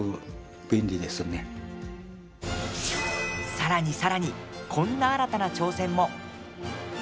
さらに、さらにこんな新たな挑戦も。